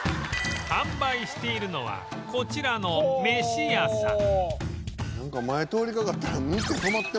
販売しているのはこちらの米屋さん